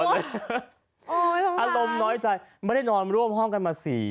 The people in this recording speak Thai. มีคนใจดีก็ตัดสินใจน